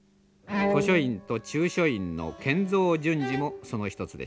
古書院と中書院の建造順次もその一つでした。